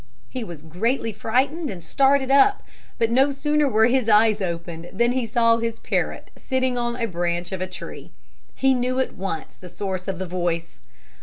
He was greatly frightened and started up. But no sooner were his eyes opened than he saw his parrot sitting on a branch of a tree. He knew at once the source of the voice.